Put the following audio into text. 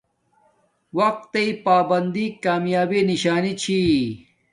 وقت تݵ پابندی کامیابی نشانی چھی